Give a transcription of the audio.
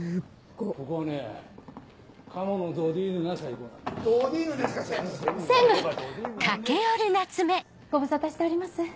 ご無沙汰しております。